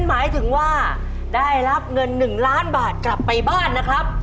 หมายถึงว่าได้รับเงิน๑ล้านบาทกลับไปบ้านนะครับ